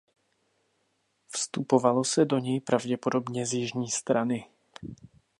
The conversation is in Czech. Vstupovalo se do něj pravděpodobně z jižní strany.